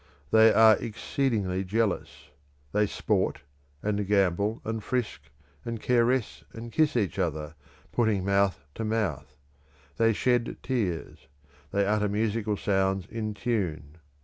They are exceedingly jealous. They sport, and gamble, and frisk, and caress, and kiss each other, putting mouth to mouth. They shed tears. They utter musical sounds in tune.